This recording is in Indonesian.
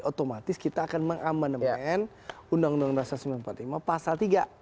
otomatis kita akan mengamandemen undang undang dasar seribu sembilan ratus empat puluh lima pasal tiga